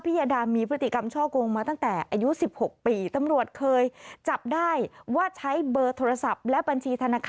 พี่อดาร์มีพฤติกรรมช่อกงมาตั้งแต่อายุ๑๖ปี